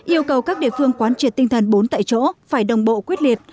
yêu cầu các địa phương quán triệt tinh thần bốn tại chỗ phải đồng bộ quyết liệt